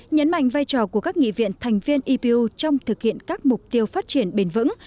nhấn mạnh vai trò của các nghị viện thành viên ipu trong thực hiện các mục tiêu phát triển bền vững